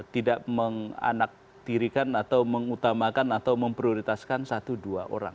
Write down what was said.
tidak menganaktirikan atau mengutamakan atau memprioritaskan satu dua orang